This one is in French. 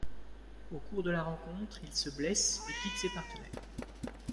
Au cours de la rencontre, il se blesse et quitte ses partenaires.